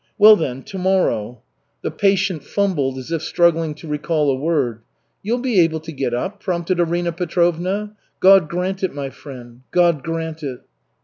"Well, then, to morrow " The patient fumbled as if struggling to recall a word. "You'll be able to get up?" prompted Arina Petrovna. "God grant it, my friend, God grant it."